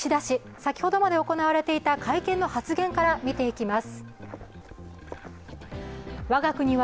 先ほどまで行われていた会見の発言から見ていきます。